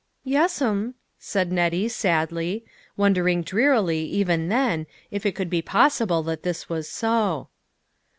"Yes'm," said Nettie, sadly, wondering drear ily, even then, if it could be possible that this was so.